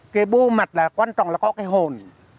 cái bô mặt là quan trọng là có cái hồn